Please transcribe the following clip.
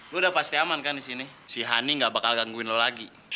lo udah pasti aman kan di sini si honey gak bakal gangguin lo lagi